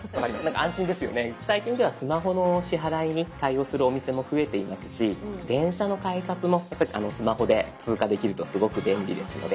最近ではスマホの支払いに対応するお店も増えていますし電車の改札もやっぱりスマホで通過できるとすごく便利ですので。